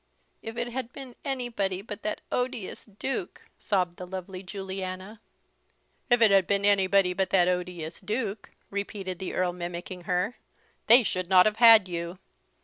"If it had been anybody but that odious Duke," sobbed the lovely Juliana. "If it had been anybody but that odious Duke!" repeated the Earl, mimicking her, "they should not have had you.